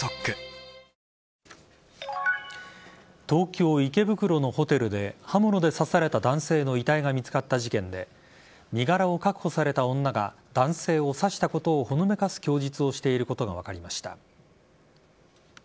東京・池袋のホテルで刃物で刺された男性の遺体が見つかった事件で身柄を確保された女が男性を刺したことをほのめかす供述をしていることが分かりました。